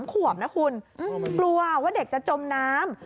๓ขวบนะคุณกลัวว่าเด็กจะจมน้ำ